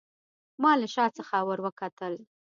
ما له شا څخه وروکتل.